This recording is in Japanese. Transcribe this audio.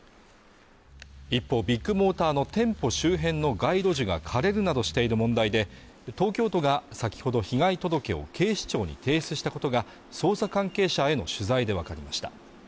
一方ビッグモーターの店舗周辺の街路樹が枯れるなどしている問題で東京都が先ほど被害届を警視庁に提出したことが捜査関係者への取材で分かりました